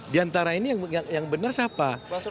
di antara ini yang benar siapa